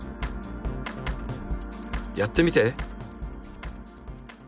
やってみて！